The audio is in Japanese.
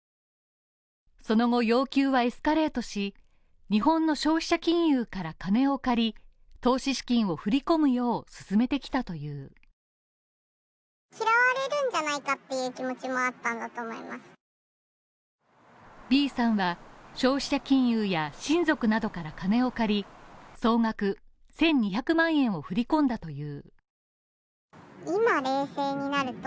その後要求はエスカレートし、日本の消費者金融から金を借り投資資金を振り込むよう進めてきたというＢさんは、消費者金融や親族などから金を借り、総額１２００万円を振り込んだという。